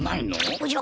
おじゃ！